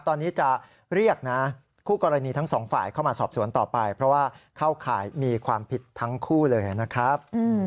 ตอนนี้จะเรียกนะคู่กรณีทั้งสองฝ่ายเข้ามาสอบสวนต่อไปเพราะว่าเข้าข่ายมีความผิดทั้งคู่เลยนะครับ